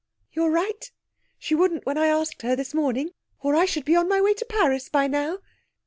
'You're right. She wouldn't when I asked her this morning, or I should be on my way to Paris by now.'